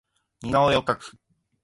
似顔絵を描く